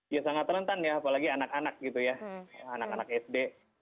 ya sangat rentan ya apalagi anak anak gitu ya anak anak sd